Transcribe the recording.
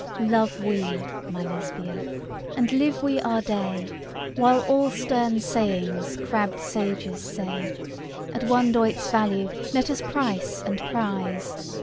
Love we (my Lesbia!) and live we our day, While all stern sayings crabbed sages say, At one doit's value let us price and prize!